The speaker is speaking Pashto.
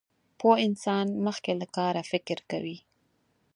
پوه انسان مخکې له کاره فکر کوي.